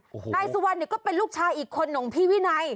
โอ้โหนายสุวรรณเนี่ยก็เป็นลูกชายอีกคนของพี่วินัย